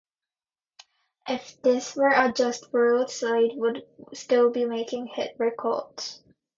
If this were a just world, Slade would still be making hit records.